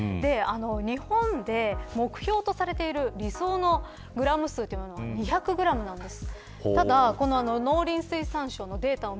日本で目標とされている理想のグラム数というのが２００グラムなんです。